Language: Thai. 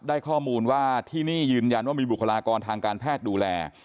ได้ข้อมูลว่าที่นี่ยืนยันว่ามีบุคลากรทางการแพทย์ดูแล